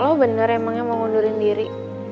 lo bener emangnya mau ngundurin diri